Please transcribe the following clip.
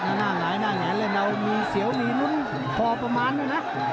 แล้วนั่งหลายหน้าแหงแล้วเรามีเสียวมีนุ้นพอประมาณน่ะน่ะ